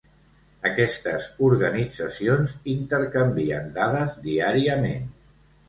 Aquestes organitzacions intercanvien dades diàriament.